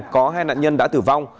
có hai nạn nhân đã tử vong